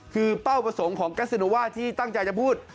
คือเป้าประสงค์ของกัสซิโนว่าที่ตั้งใจจะพูด